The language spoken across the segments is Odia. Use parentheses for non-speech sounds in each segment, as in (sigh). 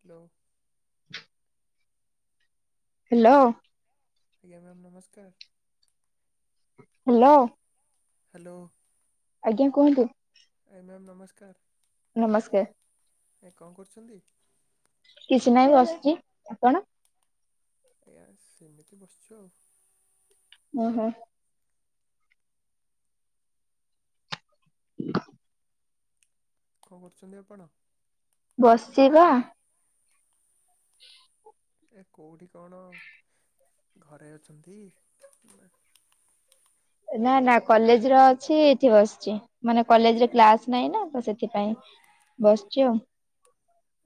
ହ୍ୟାଲୋ। ହ୍ୟାଲୋ। ଆଜ୍ଞା ମାମ୍ ନମସ୍କାର। ହ୍ୟାଲୋ। ହ୍ୟାଲୋ। ଆଜ୍ଞା କୁହନ୍ତୁ? ଆଜ୍ଞା ମାମ୍ ନମସ୍କାର। ନମସ୍କାର। ଏ କଣ କରୁଛନ୍ତି? କିଛି ନାହିଁ ବସିଛି ଆପଣ? ଆଜ୍ଞା ସେମିତି ବସିଛୁ ଆଉ। ଓହୋ। ହ (inaudible) କଣ କରୁଛନ୍ତି ଆପଣ? ବସିଚି ବା। ଏ କୋଉଠି କଣ ଘରେ ଅଛନ୍ତି? ନା ନା କଲେଜ ରେ ଅଛି ଏଇଠି ବସିଛି। ମାନେ କଲେଜରେ ଆ- କ୍ଲାସ ନାଇଁ ନା ତ ସେଥିପାଇଁ ବସିଛି ଆଉ।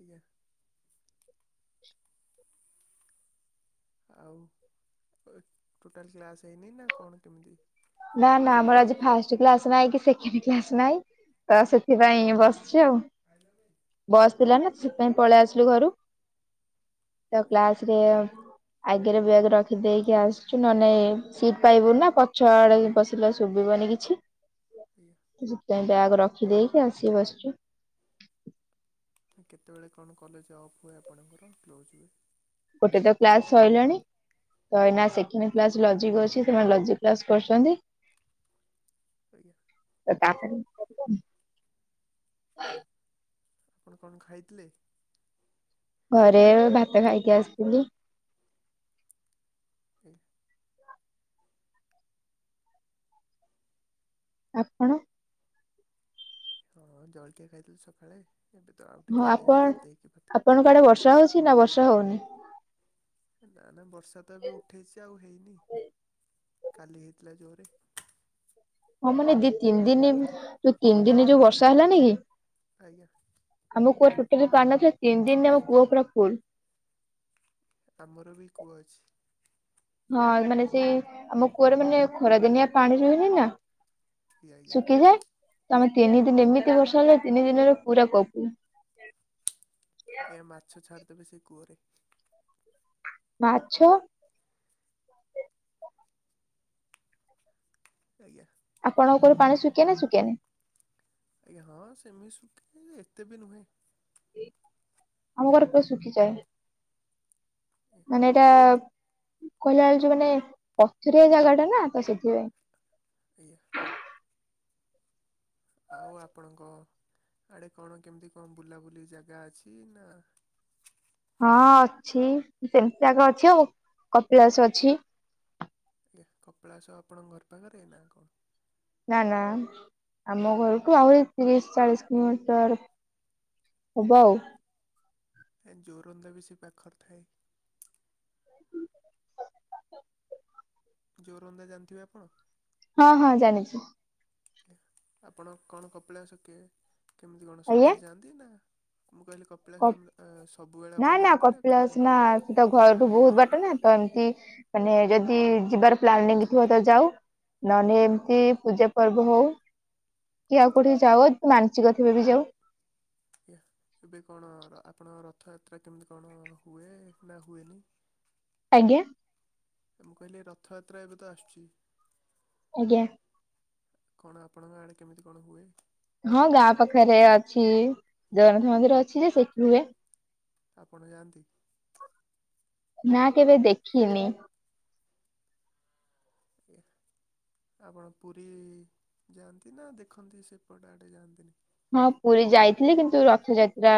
ଆଜ୍ଞା। ଆଉ ଟୋଟାଲ କ୍ଲାସ୍ ହେଇନି ନା କଣ କେମିତି? ନା ନା କେବେ ଆମର କଣ ଆଜି ଫାଷ୍ଟ ଫାର୍ଷ୍ଟ ନାହିଁ କି ସେକେଣ୍ଡ କ୍ଲାସ୍ ନାଇଁ ତ ସେଥିପାଇଁ ବସିଛି ଆଉ। ଆଇଲନି। ବସ୍ ଥିଲା ନା ସେଥିପାଇଁ ପଳେଇ ଆସିଲୁ ଘରୁ ତ ଆଜ୍ଞା କ୍ଲାସ ରେ ଆଗରେ ବ୍ୟାଗ ରଖିଦେଇକି ଆସିଛୁ ନ ନାଇ ସିଟ ପାଇବୁ ନା ପଛ (inaudible) ପଶିଲେ ଶୁଭିବନି କିଛି। (inaudible) ସେଥିପାଇଁ ବ୍ୟାଗ ରଖିଦେଇକି ଆସିିକି ବସିଛୁ। କେତେବେଳେ କଣ କଲେଜ ଅଫ୍ ହୁଏ ଆପଣଙ୍କର କ୍ଲୋଜ୍ ହୁଏ। ଗୋଟେ ତ କ୍ଲାସ ସଇଲାନି। ତ ଏଇନା ସେକେଣ୍ଡ କ୍ଲାସ୍ ଲଜିକ ଅଛି ସେମାନେ ଲଜିକ କ୍ଲାସ୍ କରୁଛନ୍ତି। ଆଜ୍ଞା। (unintelligible) ଆପଣ କଣ ଖାଇଥିଲେ? ଘରେ ଏବେ ଭାତ ଖାଇକି ଆସିଥିଲି। ହୁଁ। ଆପଣ। ହଁ ଜଳକିଆ ଖାଇଥିଲି ସକାଳେ ଏବେ ତ ଆଉ ହଁ ଟିକେ ହେଲେ ଆପଣ ଗାଧେଇକି ପି ଆପଣଙ୍କ ଆଡେ ବର୍ଷା ହଉଛି ନା ବର୍ଷା ହଉନି। ନା ନା ବର୍ଷା ତ ଏବେ ଉଠେଇଛି ଆଉ ହେଇନି କାଲି ହେଇଥିଲା ଜୋରେ। ହଁ ମାନେ ଦି ତିନି ଦିନ ଯୋଉ ତିନି ଦିନ ଯୋଉ ବର୍ଷା ହେଲାନି କି। ଆଜ୍ଞା। ଆମ କୁଅର ଟୋଟେଲି ପାଣି ନଥାଏ ତିନି ଦିନରେ ଆମ କୁଅ ପୁରା ଫୁଲ। ଆମର ବି କୂଅ ଅଛି। ହଁ ମାନେ ସେଇ ଆମ କୂଅରେ ମାନେ ଖରାଦିନିଆ ପାଣି ରହେନି ନା। ଆଜ୍ଞା ଆଜ୍ଞା ଶୁଖିଯାଏ ତମେ ତିନି ଦିନ ଏମିତି ବର୍ଷା ହେ ତିନି ଦିନରେ ପୁରା କବୁ। ଏ ମାଛ ଛାଡିଦେବେ ସେଇ କୂଅରେ। ମାଛ। ଆଜ୍ଞା। ଆପଣଙ୍କ କୂଅରେ ପାଣି ଶୁଖିେ ନା ଶୁଖେନି। ଆଜ୍ଞା ହଁ ସେମିତି ଶୁଖେ ଏତେ ବି ନୁହେଁ। ଆମ ଘର କୂଅ ସୁଖୀ ଯାଏ ମାନେ ଏଇଟା କହିଲା ବେଳୁଛ ମାନେ ପଥୁରିଆ ଜାଗା ଟା ନା ତ ସେଥିପାଇଁ। ଏଇଆ। ଆଉ ଆପଣଙ୍କ ଆଡେ କଣ କେମିତି କଣ ବୁଲାବୁଲି ଜାଗା ଅଛି ନା ହଁ ଅଛି ସେମିତି ଜାଗ ଅଛି ଆଉ କପିଳାସ ଅଛି। ଆଜ୍ଞା କପିଲାସ ଆପଣଙ୍କ ଘର ପାଖରେ ନା କଣ? ନା ନା ଆମ ଘରଠୁ ଆହୁରି ତିରିଶ ଚାଳିଶ କିଲୋମିଟର। ହବ ଆଉ। ଏ ଜୋରନ୍ଦା ବି ସେ ପାଖରେ ଥାଏ। ଜୋରନ୍ଦା ଜାଣିଥିବେ ଆପଣ। ହଁ ହଁ ଜାଣିଚି। ଆଜ୍ଞା ଆପଣ କଣ କପିଳାସ କିଏ କେମିତି କଣ ଆଜ୍ଞା ସବବେଳେ ଯାଆନ୍ତି ନା ମୁଁ କହିଲି କ କପିଳାସ ସବୁବେଳେ ନା ଆପଣାଆନ୍ତି ନା କଣ କପିଳାସ ନା କେମିତି? ସେ ତ ଘରଠୁ ବହୁତ ବାଟ ନା ତ ଏମତି ମାନେ ଯଦି ଯିବାର ପ୍ଲାନଙ୍ଗ ଥିବ ତ ଯାଉ। ନହେଲେ ଏମିତି ପୂଜା ପର୍ବ ହଉ। କି ଆଉ କୋଉଠି ଯାଉ ମାନସିକ ଥିବେ ବି ଯାଉ। ଆଜ୍ଞା ଏବେ କଣ ଆପଣଙ୍କ ରଥଯାତ୍ରା କେମିତି କଣ ହୁଏ ନା ହୁଏନି। (inaudible) ଆଜ୍ଞା। ମୁଁ କହିଲି ରଥଯାତ୍ରା ଏବେ ତ ଆସୁଛି। ଆଜ୍ଞା। କଣ ଆପଣଙ୍କ ଆଡ଼େ କେମିତି କଣ ହୁଏ? ହଁ ଗାଁ ପାଖରେ ଅଛି ଜଗନ୍ନାଥ ମନ୍ଦିର ଅଛି ଯେ ସେଠି ହୁଏ। ଆପଣ ଯାଆନ୍ତି। ନା କେବେ ଦେଖିନି। ଆଜ୍ଞା। ଆପଣ ପୁରୀ ଯାଆନ୍ତି ନା ଦେଖନ୍ତି ସେପଟେ ଆଡ଼େ ଯାଆନ୍ତିନି। ହଁ ପୁରୀ ଯାଇଥିଲି କିନ୍ତୁ ରଥଯାତ୍ରା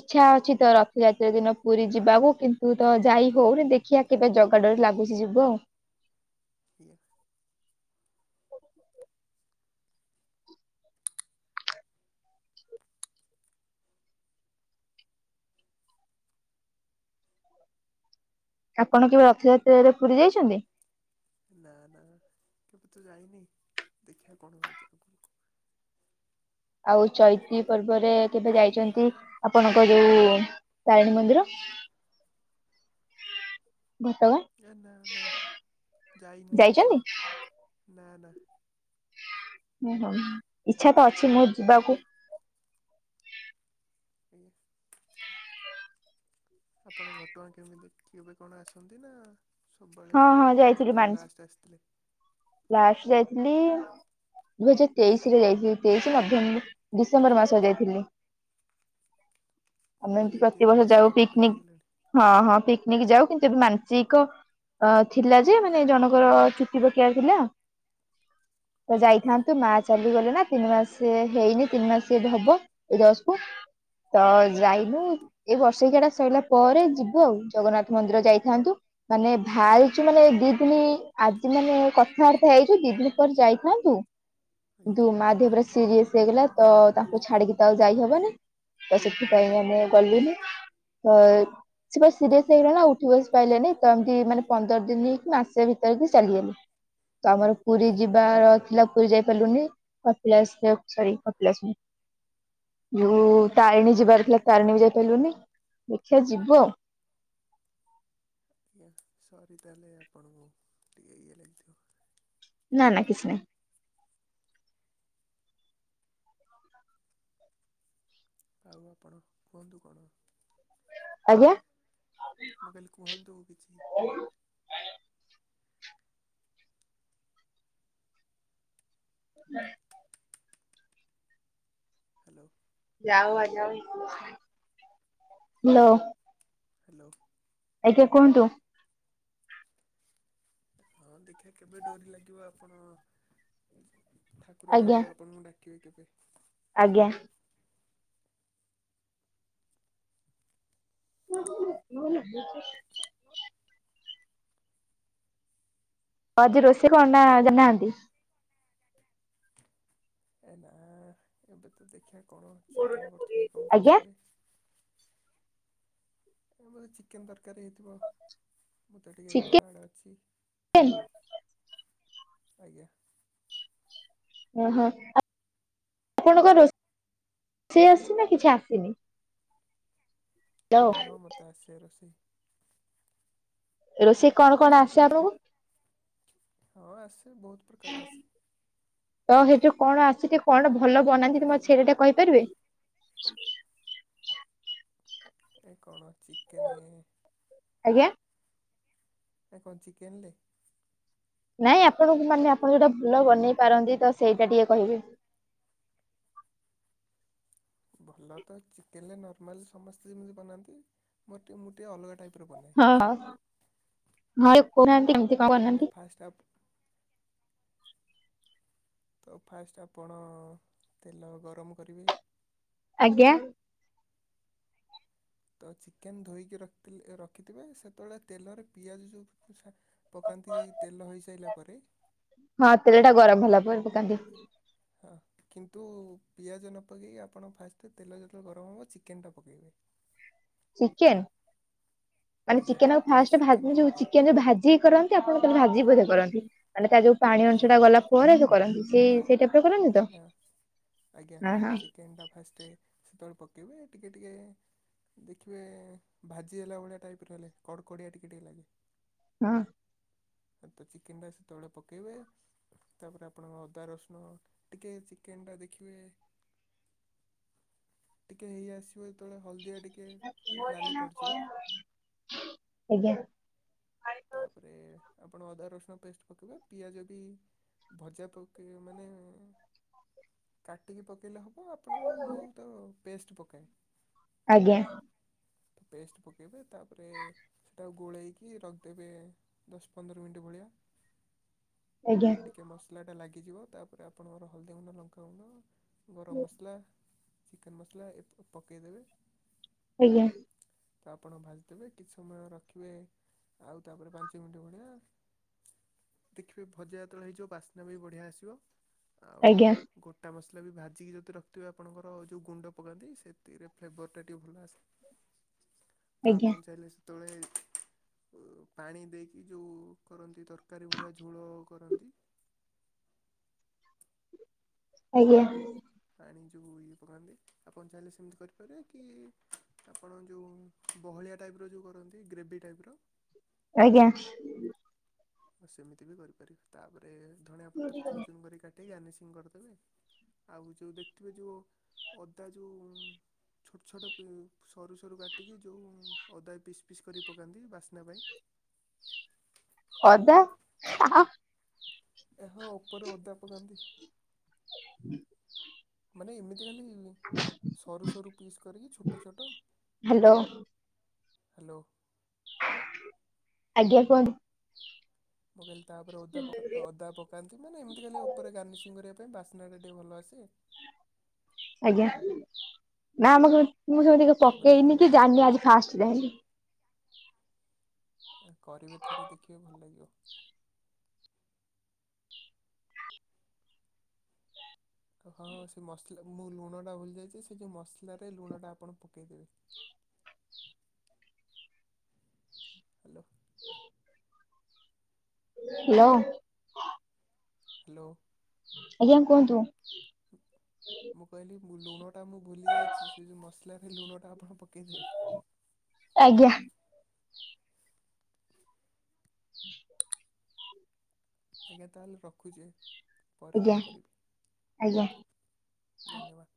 ଇଚ୍ଛା ଅଛି ତ ରଥଯାତ୍ରା ଦିନ ପୁରୀ ଯିବାକୁ କିନ୍ତୁ ତ ଯାଇ ହଉନି ଦେଖିଆ କେବେ ଜଗା ଡୋରି ଲାଗୁଛି ଯିବ ଆଉ। ଠିକ ଅଛି। ଆପଣ କେବେ ରଥଯାତ୍ରାରେ ପୁରୀ ଯାଇଛନ୍ତି? ନା ନା କେବେ ତ ଯାଇନି ଦେଖିବା କଣ ହେବଛି ଆଗରକୁ। ଆଉ ଚୈତି ପର୍ବରେ କେବେ ଯାଇଛନ୍ତି? ଆପଣଙ୍କ ଯୋଉ ତାରିଣୀ ମନ୍ଦିର। ଘଟଗାଁ। ଏ ନା ନା ଯାଇନି ଯାଇଛନ୍ତି କେବେ ନା ନା। ହୁଁ ହଉ ଇଚ୍ଛା ତ ଅଛି ମୋ ଯିବାକୁ ଆଜ୍ଞା। ଆପଣ ଘଟଗାଁ କେମିତି କେବେ କଣ ଅଛନ୍ତି ନା? ସବୁବେଳେ ହଁ ହଁ ନା ଯାଇଥିଲି ମାନ କେବେ ଲାଷ୍ଟ ଆସିଥିଲେ? ଲାଷ୍ଟ ଯାଇଥିଲି ଦୁଇ ହଜାର ତେଇଶି ରେ ଯାଇଥିଲି। ତେଇଶି ନଭେମ୍ବର ଡିସେମ୍ବର ମାସରେ ଯାଇଥିଲି। ଆମେ ଏମିତି ମାନେ ତିନି ପ୍ରତିବର୍ଷ ବର୍ଷ ଯାଉ ପାଖାପାଖି ହେଇଗଲାଣି ପିକନିକ ହଁ ହଁ ପିକନିକ ଯାଉ କିନ୍ତୁ ଏବେ ମାନସିକ ଅ ଥିଲା ଯେ ମାନେ ଜଣଙ୍କର ଚୁଟି ପକେଇବା ଥିଲା ତ ଆଜ୍ଞା ଯାଇଥାନ୍ତୁ ମାର୍ଚ୍ଚ ଚାଲିଗଲେ ନା ତିନି ମାସ ହେଇନି ତିନି ମାସ ଏବେ ହବ ଏଇ ଦଶ କୁ। ତ ଯାଇନୁ। ଏଇ ବର୍ଷେକିଆକାଟା ସଇଲା ପରେ ଯିବୁ ଆଉ ଜଗନ୍ନାଥ ମନ୍ଦିର ଯାଇଥାନ୍ତୁ ମାନେ ଭାରିଛୁ ମାନେ ଦିଦିନୀ ଆଜି ମାନେ କଥାବାର୍ତ୍ତା ହେଇଛୁ ଦିଦିନୀ ପରେ ଯାଇଥାନ୍ତୁ। ଆଜ୍ଞା କିନ୍ତୁ ମା ଦେହ ପୁରା ସିରିଏସ୍ ହେଇଗଲା ତ ତାଙ୍କୁ ଛାଡିକି ତା ଆଉ ଯାଇହବନି। ତ ସେଥିପାଇଁ ଆମେ ଗଲିନି। ତ ସେ ସିରିଏସ ହେଇଗଲା ନା ଉଠି ବସି ପାଇଲେନି ତ ଏମିତି ମାନେ ପନ୍ଦର ଦିନି କି ମାସେ ଭିତରେ କି ଚାଲିଗଲେ ତ ଆମର ପୁରୀ ଯିବାର ଥିଲା ପୁରୀ ଯାଇ ପାରିଲୁନି କପିଳାସ (unintelligible) ଯୋଉ ତାରିଣୀ ଯିବାର ଥିଲା ତାରିଣୀ ବି ଯାଇପାରିଲୁନି ଦେଖିବା ଯିବୁ ଆଉ। ଆଜ୍ଞା ସରି ତାଲେ ଆପଣଙ୍କୁ ଟିକେ ଇଏ ଲାଗିଥିବ। ନା ନା କିଛି ନାହିଁ। ଆଉ ଆପଣ କୁହନ୍ତୁ କଣ? ଆଜ୍ଞା। ମୁଁ କହିଲି କୁହନ୍ତୁ କିଛି। (unintelligible) ହାଲୋ। ଯାହଉ ଆଜି ଆମ (unintelligible) ହାଲୋ। ହାଲୋ। ଆଜ୍ଞା କୁହନ୍ତୁ। ହଁ ଦେଖିବା କେବେ ଡୋରି ଲାଗିବ ଆପଣ ଠାକୁର ଯାହା ଆଜ୍ଞା ହଉ ଆପଣଙ୍କୁ ଡାକିବେ କେବେ? ଆଜ୍ଞା। (unintelligible) ଆଜି ରୋଷେଇ କଣ ନା ଜାଣିନାହାନ୍ତି? ଏ ନା ଏବେ ତ ଦେଖିବା କଣ ଚିକେନ୍ କରୁଥିବେ କି କଣ ଆଜ୍ଞା କରୁଥିବେ? ଏ ବୋଧେ ଚିକେନ ତରକାରୀ ହେଇଥିବ ମୁଁ ତ ଟିକେ ଚିକେନ ଏପଟ ଆଡେ ଅଛି। ଆଜ୍ଞା। ଉଁ ହ ଆପ ଣଙ୍କ ରୋଷ ଷେଇ ଆସୁ ଚିନା କିଛି ଆସିନି? ହ୍ୟାଲୋ ହଁ ହଁ ମତେ ଆସେ ରୋଷେଇ। ରୋଷେଇ କଣ କଣ ହ୍ୟାଲୋ ଆସେ ଆପଣଙ୍କୁ? ହଁ ଆସେ ବୋହୁତ ପ୍ରକାର ଆସେ। ତ ହେଇଠୁ କଣ ଆସୁଛି କଣ ଭଲ ବନାନ୍ତି ତମେ ସେଇଟା ଟିକେ କହିପାରିବେ? ଏଇ କଣ ଚିକେନେ ଆଜ୍ଞା। ଏ କଣ ଚିକେନ ଲେ? ନାଇଁ ଆପଣଙ୍କୁ ମାନେ ଆପଣ ଯୋଉଟା ଭଲ ବନେଇ ପାରନ୍ତି ତ ସେଇଟା ଟିକେ କହିବେ? ଭଲ ତ ଚିକେନ ରେ ନର୍ମାଲ୍ ସମସ୍ତେ ଯେମିତି ବନାନ୍ତି। ମୋର ଟିକେ ମୁଁ ଟିକେ ଅଲଗା ଟାଇପ୍ ବନାଏ। ଓ ହ ହଁ ଟି କେ କୋହୁ ନାହାନ୍ତି। ତ ଫାଷ୍ଟ ଆ ତ ଫାଷ୍ଟ୍ ଆପଣ ତେଲ ଗରମ କରିବେ ଆଜ୍ଞା ତ ଚିକେନ୍ ଧୋଇକି ରଖିଥିଲେ ରଖିଥିବେ ସେତେବେଳେ ତେଲରେ ପିଆଜ ଯୋଉ ଛା ପକାନ୍ତି ତେଲ ହୋଇସାରିଲା ପରେ ହଁ ତେଲ ଟା ଗରମ ହେଲା ପରେ ପକାନ୍ତି ହଁ କିନ୍ତୁ ପିଆଜ ନ ପକେଇକି ଆପଣ ଫାଷ୍ଟ୍ ତେଲ ଯେତେବେଳେ ଗରମ ହେବ ଚିକେନ୍ ଟା ପକେଇବେ ଚିକେନ୍ ମାନେ ଆଜ୍ଞା ଚିକେନ୍ ଆକୁ ଫାଷ୍ଟ ଫାଷ୍ଟ୍ ଭାଜି ଚିକେନଟା ଯୋଉ ପକାଇବେ ଚିକେନ୍ ଯୋଉ ଭାଜି କରନ୍ତ ଚି ଆପଣ ବୋଧେ ଭାଜିକି ବୋଧେ କରନ୍ତି। ମାନେ ତାର ଯୋଉ ପାଣି ଆଜ୍ଞା ହଁ ଅଂଶଟା ଗଲା ପରେ ଯୋଉ କରନ୍ତି। ସେ ସେ ଟାଇପ୍ ରେ କରନ୍ତି? ତ? ଆଁ ଆଜ୍ଞା ହଁ ହଁ ଚିକେନ୍ ଟା ଫାଷ୍ଟ୍ ସେତେବେଳେ ପକେଇବେ ଟିକେ ଟିକେ ଦେଖିବେ ଭାଜି ହେଲା ଭଳିଆ ଟାଇପ୍ ର ହେଲେ କଡ଼କଡ଼ିଆ ଟିକେ ଟିକେ ଲାଗେ‌। ହୁଁ ତ ଚିକେନ୍ ଟା ସେତେବେଳେ ପକେଇବେ ତାପରେ ଆପଣଙ୍କ ଅଦା ରସୁଣ ଟିକେ ଚିକେନ ଟା ଦେଖିବେ ଟିକେ ହେଇ ଆସିବ ଯେତେଳେ ହଳଦିଆ ଟି ଆଜ୍ଞା। ତାପରେ ଆପଣ ଅଦା ରସୁଣ ପେଷ୍ଟ ପକାଇବେ ପିଆଜ ବି ଭଜା ପକେଇବେ ମାନେ କାଟିକି ପକେଇଲେ ହବ ବ (unintelligible) ମୁଁ ତ ପେଷ୍ଟ ପକାଏ। ଆଜ୍ଞା। ପେଷ୍ଟ ପକେଇବେ ତାପରେ ସେଟାକୁ ଗୋଳେଇକି ର ଦେବେ ଦଶ ପନ୍ଦର ମିନିଟ୍ ଭଳିଆ। ଆଜ୍ଞା। ଟିକେ ମସଲାଟା ଲାଗିଯିବ ତା ପରେ ଆପଣଙ୍କର ହଳଦୀ ଗୁଣ୍ଡ ଲଙ୍କାଗୁଣ୍ଡ ଗରମ ମସଲା ଚିକେନ ମସଲା ଏତକ ପକେଇଦେବେ। ଆଜ୍ଞା। ତ ଆପଣ ଭାଜ ଦେବେ। କିଛି ସମୟ ରଖିବେ ଆଉ ତାପରେ ପାଞ୍ଚ ମିନିଟ ଭଳିଆ ଦେଖିବେ ଭଜା ଯେତେବେଳେ ହେଇଯିବ ବାସ୍ନା ବି ବଢିଆ ଆସିବ ଆଉ ଆଜ୍ଞା ଗୋ ଟା ମସଲା ବି ଭାଜିକି ଯଦି ରଖଥିବେ ଆପଣଙ୍କର ଯୋଉ ଗୁଣ୍ଡ ପକାନ୍ତି ସେଥିରେ ଫ୍ଲେଭରଟା ଟିକେ ଭଲ ଆସେ ତ ଆଜ୍ଞା ଆପଣ ଚାହିଁଲେ ସେତେବେଳେ ପାଣି ଦେଇକି ଯୋଉ କରନ୍ତି ତରକାରୀ ଭଳିଆ ଝୋଳ କରନ୍ତି। ଆଜ୍ଞା। ପାଣି ଯୋଉ ଇଏ ପକାନ୍ତି ଆପଣ ଚାହିଁଲେ ସେମିତି କରିପାରିବେ କି ଆପଣ ଯୋଉଁ ବହଳିଆ ଟାଇପର ଯୋଉ କରନ୍ତି ଗ୍ରେଭି ଟାଇପର - ଆଜ୍ଞା। ସେମିତି ବି କରିପାରିବେ ତାପରେ ଧଣିଆ ପତ୍ର ଚୁନ ଚୁନ କରି କାଟିିକି ଗାର୍ନିସିଂ କରିଦେବେ - ଆଉ ଯୋଉ ଦେଖିଥିବେ ଯୋଉ ଅଦା ଯୋଉ ଛୋଟ ଛୋଟ ପି ସରୁ ସରୁ କାଟିକି ଯୋଉ ଅଦା ପିସ୍ ପିସ୍ କରିକି ପକାନ୍ତି ବାସ୍ନା ପାଇଁ ଅଦା ହା ହା ଏ ହୋ ଓପରେ ଓଦା ପକାନ୍ତି - (inaudible) ମାନେ ଏମିତି ଖାଲି ଇ - ସରୁ ସରୁ ପିସ୍ କରିକି ଛୋଟ ଛୋଟ ହ୍ୟାଲୋ ଆଜ୍ଞା କୁହନ୍ତୁ ମୁଁ କହିଲି ତା ଉପରେ ଓଦା ପକା ଅଦା ପ କାନ୍ତି ମାନେ ଏମିତି କାଲି ଉପରେ ଗାର୍ନିସିଂ କରିବା ପାଇଁ ବାସ୍ନାଟା ଟିକେ ଭଲ ଆସେ - ଆଜ୍ଞା ନା ଆମ ମୁଁ ସେମିତି ତାପରେ ପକେଇନି ହଳଦୀ କି ଜାଣିନି ଆଜି ଫାଷ୍ଟ ଯାଇଁଲି। କରିବେ ଥରେ ଦେଖିବେ ଭଲ ଲାଗିବ। ହଁଁ ସେ ମସଲା ମୁଁ ଲୁଣଟା ଭୁଲି ଯାଇଚି ସେ ଯୋଉ ମସଲାରେ ଲୁଣଟା ଆପଣ ପକେଇଦେବେ। ହ୍ୟାଲୋ। (inaudible) ହ୍ୟାଲୋ। ହ୍ୟାଲୋ। ଆଜ୍ଞା କୁହନ୍ତୁ। ମୁଁ କହିଲି ମୁ ଲୁଣଟା ମୁଁ ଭୁଲି ଯାଇଚି ସେ ଯୋଉ ମସଲାରେ ଲୁଣ ଟା ଆପଣ ପ କେଇ ଦେବେ। ଆଜ୍ଞା। (inaudible) ଆଜ୍ଞା ତା ହେଲେ ରଖୁଚି। ଆଜ୍ଞା ଆଜ୍ଞା। ଧନ୍ୟବାଦ।